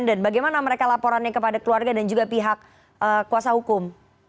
lepas itu bagaimana mereka laporan kepada keluarga dan juga pihak kuasa hukum